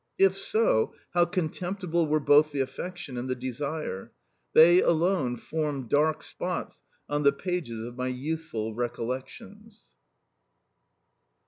If so, how contemptible were both the affection and the desire! They alone form dark spots on the pages of my youthful recollections.